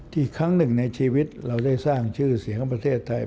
ครั้งหนึ่งในชีวิตเราได้สร้างชื่อเสียงของประเทศไทย